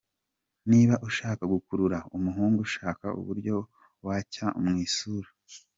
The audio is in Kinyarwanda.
Niba ushaka gukurura umuhungu shaka uburyo wacya mu isura.